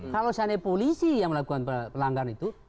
kalau seandainya polisi yang melakukan pelanggaran itu